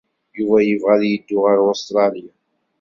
Yuba yebɣa ad yeddu ɣer Ustṛalya.